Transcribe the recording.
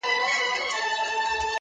معجزه د خپل خالق یم، منترونه ماتومه -